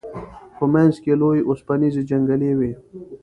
په منځ کې لوی اوسپنیزې جنګلې وې.